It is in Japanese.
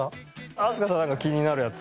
飛鳥さんなんか気になるやつ。